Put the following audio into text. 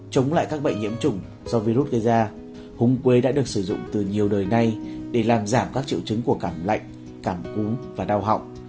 chống lại các bệnh nhiễm chủng do virus gây ra hung quế đã được sử dụng từ nhiều đời nay để làm giảm các triệu chứng của cảm lạnh cảm cúm và đau họng